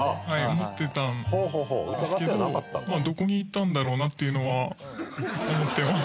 思ってたんですけどどこに行ったんだろうなっていうのは思ってます」